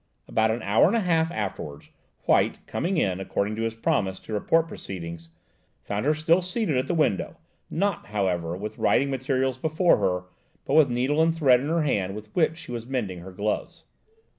SEATED HERSELF IN FULL VIEW. About an hour and a half afterwards, White, coming in, according to his promise, to report proceedings, found her still seated at the window, not, however, with writing materials before her, but with needle and thread in her hand with which she was mending her gloves.